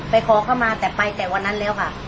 ขอเข้ามาแต่ไปแต่วันนั้นแล้วค่ะ